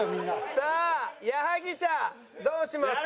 さあ矢作舎どうしますか？